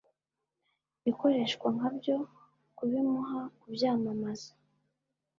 Ikoreshwa nka byo kubimuha kubyamamaza